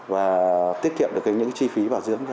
và tiết kiệm được những chi phí bảo dưỡng